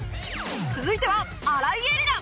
続いては新井恵理那